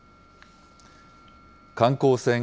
観光船